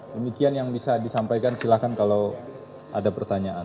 demikian yang bisa disampaikan silahkan kalau ada pertanyaan